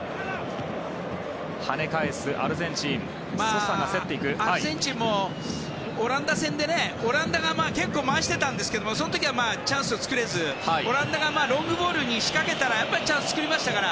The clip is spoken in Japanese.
アルゼンチンもオランダ戦でオランダが結構回してたんですけどその時はチャンスを作れずオランダがロングボールに仕掛けたらチャンスを作りましたから。